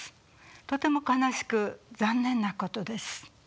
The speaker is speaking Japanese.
とても悲しく残念なことです。